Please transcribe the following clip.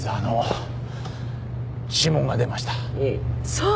そう。